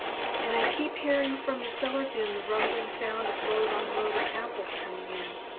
And I keep hearing from the cellar binThe rumbling soundOf load on load of apples coming in.